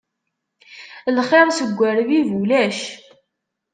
Lxiṛ seg urbib ulac.